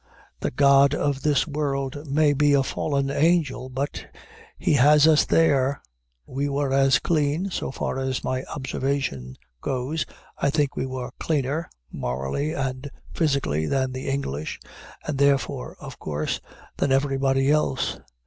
The god of this world may be a fallen angel, but he has us there! We were as clean, so far as my observation goes, I think we were cleaner, morally and physically, than the English, and therefore, of course, than everybody else.